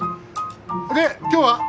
で今日は？